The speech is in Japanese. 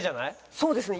そうですね。